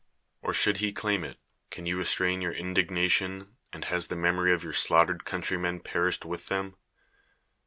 Or, should he claim it, can you restrain your indignation, and has the memory of your slaughtered countrymen perished with them